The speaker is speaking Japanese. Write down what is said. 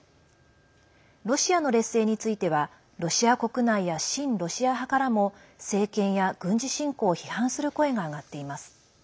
ロシアの劣勢についてはロシア国内や親ロシア派からも政権や軍事侵攻を批判する声が上がっています。